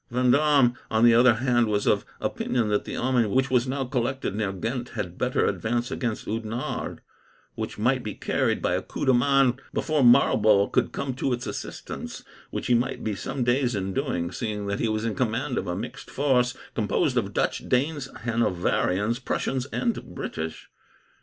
Vendome, on the other hand, was of opinion that the army which was now collected near Ghent had better advance against Oudenarde, which might be carried by a coup de main before Marlborough could come to its assistance, which he might be some days in doing, seeing that he was in command of a mixed force, composed of Dutch, Danes, Hanoverians, Prussians, and British.